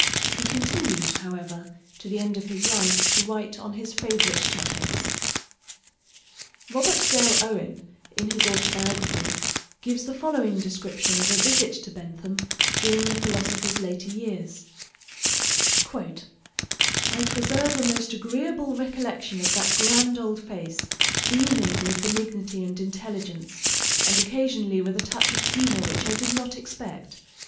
He continued, however, to the end of his life to write on his favorite topics. Robert Dale Owen, in his autobiography, gives the following description of a visit to Bentham during the philosopher's later years: "I preserve a most agreeable recollection of that grand old face, beaming with benignity and intelligence, and occasionally with a touch of humor which I did not expect....